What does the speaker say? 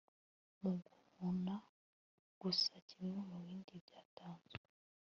muguhana gusa kimwe mubindi byatanzwe